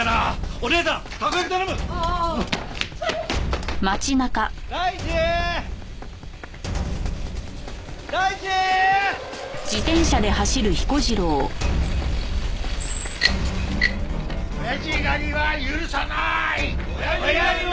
おやじ狩りは許さない！